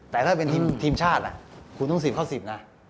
แต่ถ้าเป็นทีมชาติคุณต้องสืบเข้า๑๐นะ